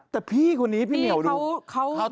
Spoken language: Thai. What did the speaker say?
แต่พี่คนนี้พี่เหมียวดูเขาทำอะไร